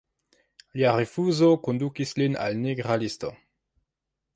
Lia rifuzo kondukis lin al nigra listo.